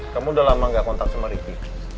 kamu udah lama gak kontak sama ricky